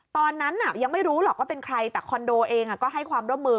ตอนนั้นยังไม่รู้หรอกว่าเป็นใครแต่คอนโดเองก็ให้ความร่วมมือ